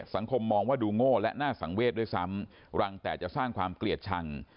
สังคมมองว่าดูโง่และน่าสังเวทด้วยซ้ำรังแต่จะสร้างความเกลียดชัง